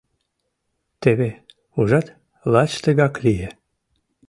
Теве, ужат, лач тыгак лие.